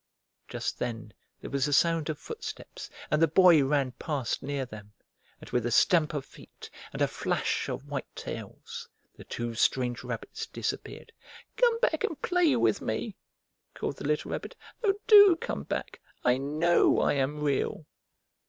Just then there was a sound of footsteps, and the Boy ran past near them, and with a stamp of feet and a flash of white tails the two strange rabbits disappeared. "Come back and play with me!" called the little Rabbit. "Oh, do come back! I know I am Real!"